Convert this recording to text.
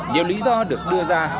nhiều lý do được đưa ra